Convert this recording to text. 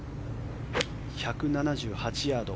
１７８ヤード